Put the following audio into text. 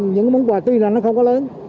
những món quà tuy là nó không có lớn